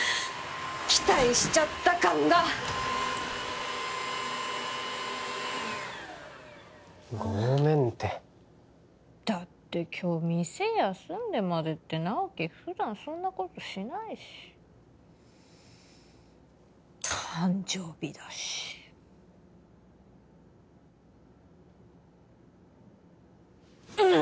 期待しちゃった感がごめんってだって今日店休んでまでって直木普段そんなことしないし誕生日だしあ